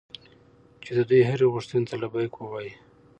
چې د دوی هرې غوښتنې ته لبیک ووایي.